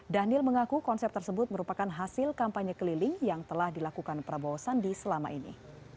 dhanil mengaku konsep tersebut merupakan hasil kampanye keliling yang telah dilakukan prabowo sandi selama ini